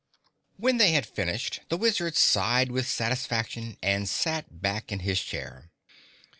When they had finished the Wizard sighed with satisfaction and sat back in his chair.